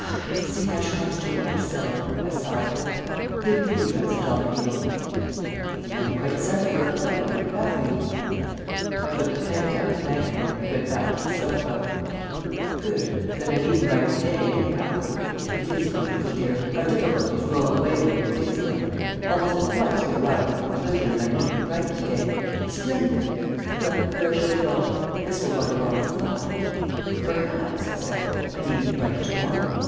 "I can see I shall have to do it myself," I sighed. "Give me the address and I'll begin." "But we haven't quite settled where we're going yet, have we?" I put the pen down thankfully and went back to the sofa. "Good! Then I needn't write to day, anyhow. It is wonderful, dear, how difficulties roll away when you face them. Almost at once we arrive at the conclusion that I needn't write to day. Splendid! Well, where shall we go? This will want a lot of thought. Perhaps," I added, "I needn't write to morrow."